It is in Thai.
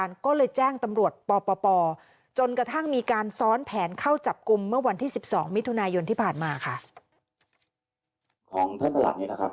ยังไม่มีข้อมูลมาถึงเราแต่เป็นข้อมูลที่อยู่ที่จังหวัดนะครับ